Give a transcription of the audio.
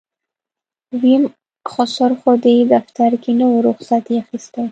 ويم خسر خو دې دفتر کې نه و رخصت يې اخېستی.